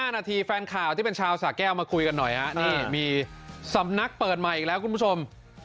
นาทีแฟนข่าวที่เป็นชาวสาแก้วมาคุยกันหน่อยฮะนี่มีสำนักเปิดใหม่อีกแล้วคุณผู้ชม